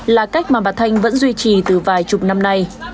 là cách mà bà thanh vẫn duy trì từ vài chục năm nay